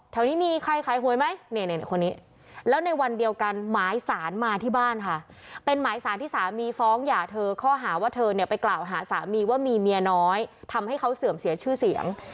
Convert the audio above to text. นี้มีใครขายหวยไหมเนี่ยคนนี้แล้วในวันเดียวกันหมายสารมาที่บ้านค่ะเป็นหมายสารที่สามีฟ้องหย่าเธอข้อหาว่าเธอเนี่ยไปกล่าวหาสามีว่ามีเมียน้อยทำให้เขาเสื่อมเสียชื่อเสียง